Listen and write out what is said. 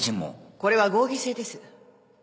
これは合議制です